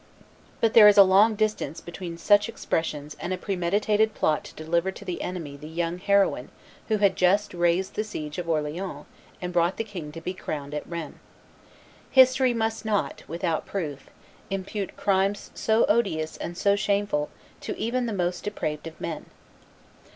But there is a long distance between such expressions and a premeditated plot to deliver to the enemy the young heroine who had just raised the siege of Orleans and brought the king to be crowned at Rheims. History must not, without proof, impute crimes so odious and so shameful to even the most depraved of men.